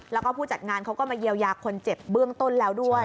แล้วก็ผู้จัดงานเขาก็มาเยียวยาคนเจ็บเบื้องต้นแล้วด้วย